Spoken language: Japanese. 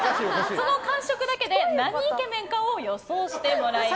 その感触だけで、なにイケメンか予想していただきます。